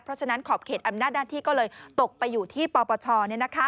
เพราะฉะนั้นขอบเขตอำนาจหน้าที่ก็เลยตกไปอยู่ที่ปปช